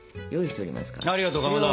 ありがとうかまど。